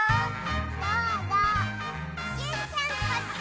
どうぞジュンちゃんこっち！